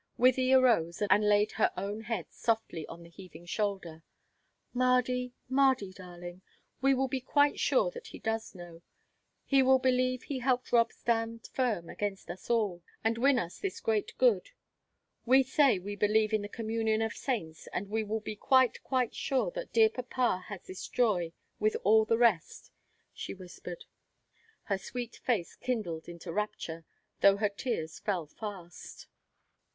Wythie arose and laid her own head softly on the heaving shoulder. "Mardy, Mardy darling, we will be quite sure that he does know; we will believe he helped Rob stand firm against us all, and win us this great good we say we believe in the communion of saints, and we will be quite, quite sure that dear papa has this joy, with all the rest," she whispered, her sweet face kindled into rapture, though her tears fell fast.